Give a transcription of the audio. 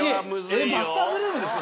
えっマスターズルームですか？